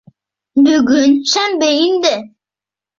Бөгөн шәмбе инде.